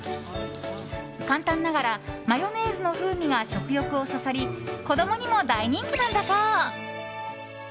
簡単ながらマヨネーズの風味が食欲をそそり子供にも大人気なんだそう。